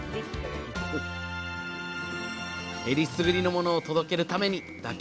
えりすぐりのものを届けるために妥協を許さない。